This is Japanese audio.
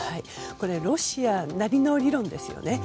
ロシアなりの理論ですよね。